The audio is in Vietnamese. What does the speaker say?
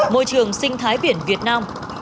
môi trường sinh thái biển việt nam